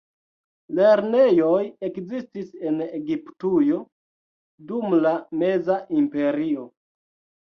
Lernejoj ekzistis en Egiptujo dum la la Meza Imperio.